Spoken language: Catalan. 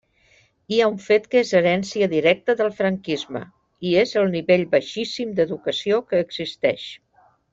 Hi ha un fet que és herència directa del franquisme, i és el nivell baixíssim d'educació que existeix.